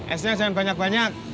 esnya jangan banyak banyak